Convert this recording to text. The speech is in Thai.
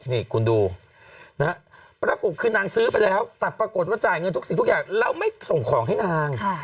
นี่คุณดูนะฮะปรากฏคือนางซื้อไปแล้วแต่ปรากฏว่าจ่ายเงินทุกสิ่งทุกอย่างแล้วไม่ส่งของให้นาง